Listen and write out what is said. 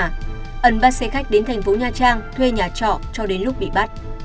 ân bắt xe khách đến thành phố nha trang thuê nhà trọ cho đến lúc bị bắt